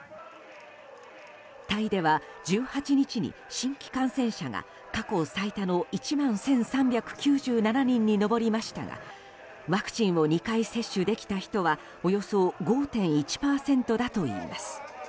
タイでは１８日に新規感染者が過去最多の１万１３９７人に上りましたがワクチンを２回接種できたひとはおよそ５．１％だといいます。